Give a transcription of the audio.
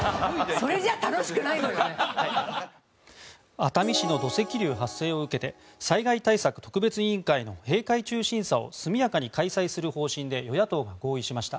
熱海市の土石流発生を受けて災害対策特別委員会の閉会中審査を速やかに開催する方針で与野党が合意しました。